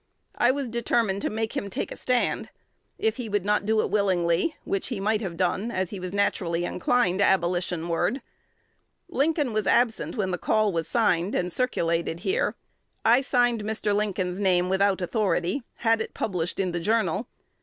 I was determined to make him take a stand, if he would not do it willingly, which he might have done, as he was naturally inclined Abolitionward. Lincoln was absent when the call was signed, and circulated here. I signed Mr. Lincoln's name without authority; had it published in "The Journal."